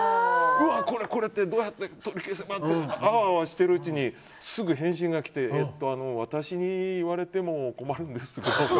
うわっ、これってどうやって取り消せばとあわあわしてるうちにすぐ返信が来て私に言われても困るんです。